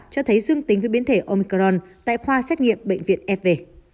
cho thấy dương tính với biến thể omcron tại khoa xét nghiệm bệnh viện fv